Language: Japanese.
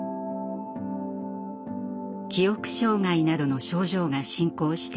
「記憶障害などの症状が進行していき